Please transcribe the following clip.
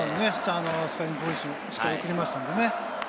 スコアリングポジションにしっかり送りましたんでね。